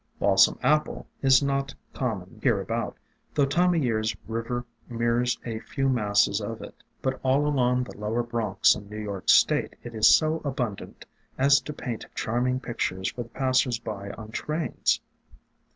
Balsam Apple is not common hereabout, though Time o' Year's River mirrors a few masses of it; but all along the lower Bronx in New York state it is so abundant as to paint charming pic tures for the passers by on trains.